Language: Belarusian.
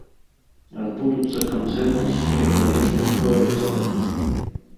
Адбудуцца канцэрты з сярэднявечным каларытам.